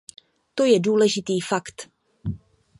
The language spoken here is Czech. To je důležitý fakt.